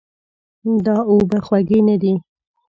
دا اوبه خوږې نه دي.